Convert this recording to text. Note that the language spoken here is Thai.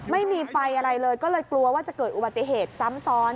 ไม่มีไฟอะไรเลยก็เลยกลัวว่าจะเกิดอุบัติเหตุซ้ำซ้อน